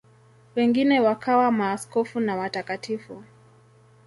Wengine wakawa maaskofu na watakatifu.